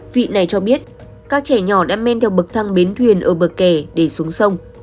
vị này cho biết các trẻ nhỏ đã men theo bậc thang bến thuyền ở bờ kè để xuống sông